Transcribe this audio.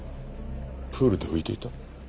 プールで浮いていた？